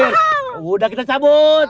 sudah kita cabut